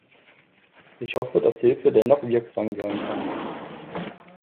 Ich hoffe, dass Hilfe dennoch wirksam sein kann.